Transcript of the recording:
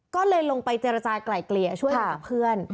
ก็เลยลงไปเจรจากลายเกลี่ยช่วยเหลือเพื่อน